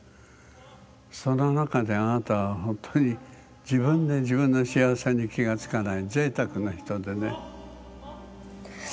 その中であなたはほんとに自分で自分の幸せに気が付かないぜいたくな人でね。